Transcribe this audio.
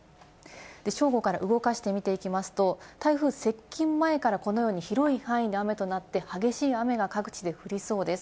正午から動かして見ていきますと、台風接近前からこのように広い範囲で雨となって、激しい雨が各地で降りそうです。